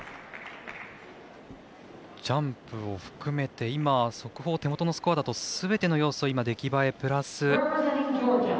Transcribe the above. ジャンプを含めて今、速報、手元のスコアだとすべての要素、出来栄えプラス。